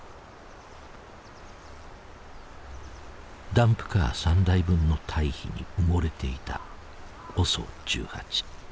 ダンプカー３台分の堆肥に埋もれていたＯＳＯ１８。